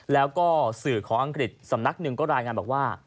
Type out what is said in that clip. แล้วก็สื่อของอังกฤษสำนักหนึ่งก็รายงานบอกว่า